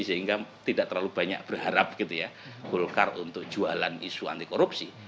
sehingga tidak terlalu banyak berharap gitu ya golkar untuk jualan isu anti korupsi